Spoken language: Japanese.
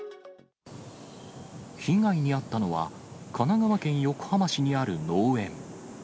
被害に遭ったのは、神奈川県横浜市にある農園。